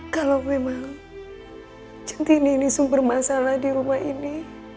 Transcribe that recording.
kalau memang centini ini sumber masalah di rumah ini